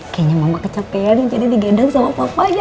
kayaknya mama kecapean jadi digedong sama papa ya